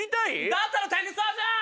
だったらテニサーじゃん！